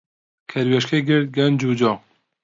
کەروێشکەی کرد گەنم و جۆ